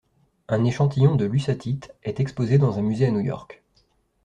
Un échantillon de lussatite est exposé dans un musée à New York.